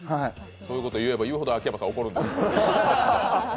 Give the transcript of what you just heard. そういうことを言えばいうほど秋山さんが怒る。